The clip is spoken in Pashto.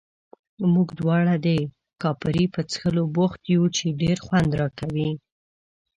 موږ دواړه د کاپري په څښلو بوخت یو، چې ډېر خوند راکوي.